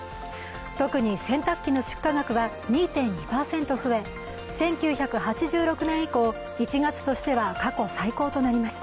特に洗濯機の出荷額は２．２％増え１９８６年以降、１月としては過去最高となりました。